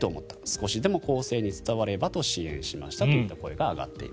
少しでも後世に伝わればと支援しましたという声です。